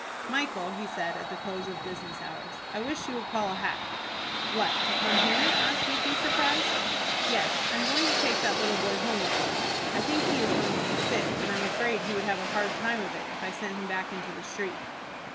"Michael," he said, at the close of business hours, "I wish you would call a hack." "What, to come here?" asked Micky, surprised. "Yes. I am going to take that little boy home with me. I think he is going to be sick, and I am afraid he would have a hard time of it if I sent him back into the street."